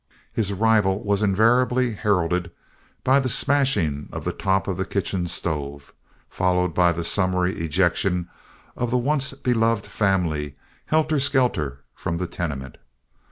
His arrival was invariably heralded by the smashing of the top of the kitchen stove, followed by the summary ejection of the once beloved family, helter skelter, from the tenement.